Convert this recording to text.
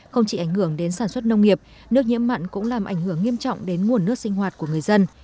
không chỉ ảnh hưởng đến sản xuất nông nghiệp nước nhiễm mặn cũng làm ảnh hưởng nghiêm trọng đến nguồn nước sinh hoạt của người dân